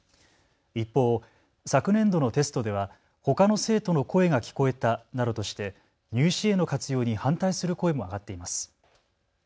一方、昨年度のテストではほかの生徒の声が聞こえたなどとして入試への活用に反対する声も上がっています。